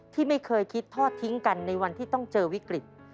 ที่ไม่เคยคิดทอดทิ้งกันในวันที่ต้องเจอวิกฤต